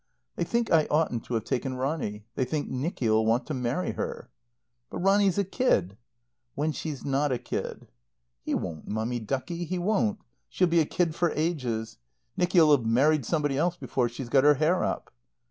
"They think I oughtn't to have taken Ronny. They think Nicky'll want to marry her." "But Ronny's a kid " "When she's not a kid." "He won't, Mummy ducky, he won't. She'll be a kid for ages. Nicky'll have married somebody else before she's got her hair up."